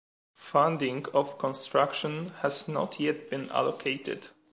Funding for construction has not yet been allocated.